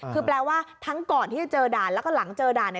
คือแปลว่าทั้งก่อนที่จะเจอด่านแล้วก็หลังเจอด่าน